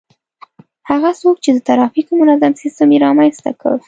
هغه څوک چي د ترافیکو منظم سیستم يې رامنځته کړ